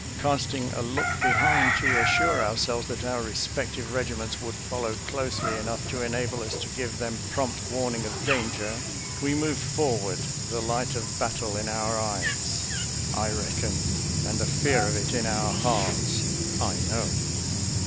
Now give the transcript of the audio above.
Casting a look behind to assure ourselves that our respective regiments would follow closely enough to enable us to give them prompt warning of danger, we moved for ward, the light of battle in our eyes — I reckon — and the fear of it in our hearts — I know.